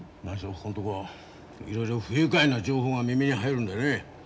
ここんとこいろいろ不愉快な情報が耳に入るんでね。